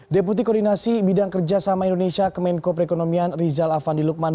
deputi koordinasi bidang kerjasama indonesia kemenko perekonomian rizal afandi lukman